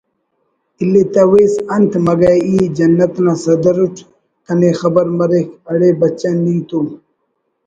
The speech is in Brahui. الیتویس انت مگہ ای جنت نا صدر اٹ کنے خبر مریک اڑے بچہ نی تو